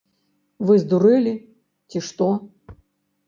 Вы здурэлі, ці што?